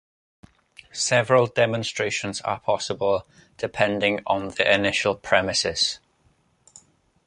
Several demonstrations are possible depending on the initial premises.